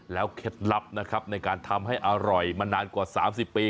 แล้วเคล็ดลับในการทำให้อร่อยมานานกว่า๓๐ปี